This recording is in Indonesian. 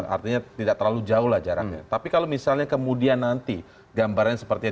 artinya tidak terlalu jauh lajarannya tapi kalau misalnya kemudian nanti gambarnya seperti yang